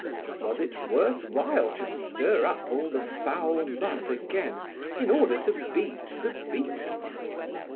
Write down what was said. Was it worth while to stir up all the foul mud again, in order to beat the beaten?